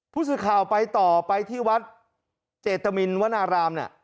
ปูศิฮาลไปต่อไปที่วัดเจศตะมิลต์วนารามเนี่ย